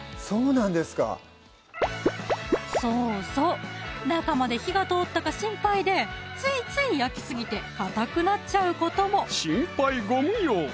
そうなんですかそうそう中まで火が通ったか心配でついつい焼きすぎてかたくなっちゃうことも心配ご無用